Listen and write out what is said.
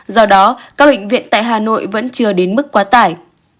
do đó các bệnh viện tại hà nội vẫn chưa đến mức quá tải